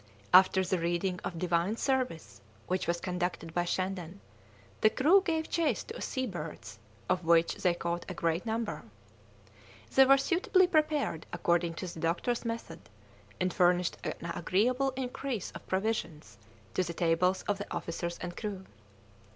After the reading of Divine service, which was conducted by Shandon, the crew gave chase to sea birds, of which they caught a great number. They were suitably prepared according to the doctor's method, and furnished an agreeable increase of provisions to the tables of the officers and crew.